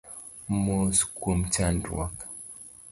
Mos kuom chandruok